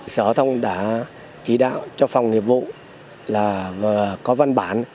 sở thông đã chỉ đạo cho phòng nghiệp vụ là có văn bản